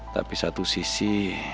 tapi satu sisi